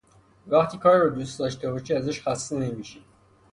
وقتی کاری رو دوست داشته باشی ازش خسته نمی شی